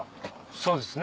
そうですね。